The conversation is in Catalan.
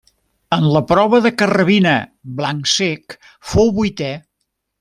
En la prova de carrabina, blanc cec fou vuitè.